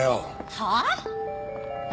はあ？